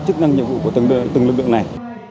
chức năng nhiệm vụ của từng lực lượng này